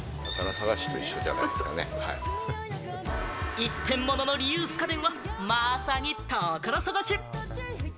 一点物のリユース家電はまさに宝探し。